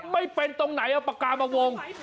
ไม่เป็นตรงไหนเอาปากกามาวง